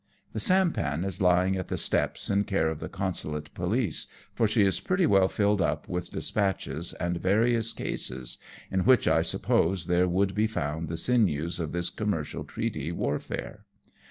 The sampan is lying at the steps in care of the Consulate police, for she is pretty well filled up with dispatches and, various cases, in which I suppose there would be found the sinews of this commercial treaty warfare.